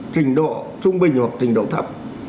trình độ trung bình hoặc trình độ thấp